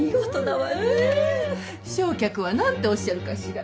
正客は何ておっしゃるかしら？